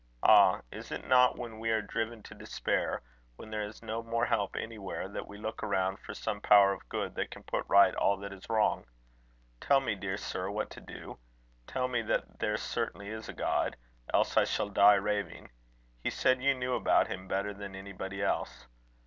Ah! is it not when we are driven to despair, when there is no more help anywhere, that we look around for some power of good that can put right all that is wrong? Tell me, dear sir, what to do. Tell me that there certainly is a God; else I shall die raving. He said you knew about him better than anybody else.